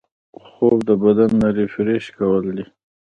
خوب د بدن ریفریش کول دي